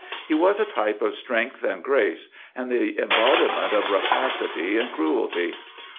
He was a type of strength and grace, and the embodiment of rapacity and cruelty.